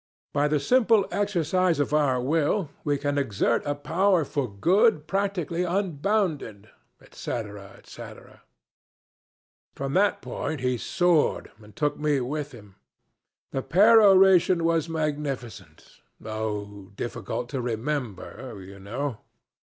'By the simple exercise of our will we can exert a power for good practically unbounded,' &c., &c. From that point he soared and took me with him. The peroration was magnificent, though difficult to remember, you know.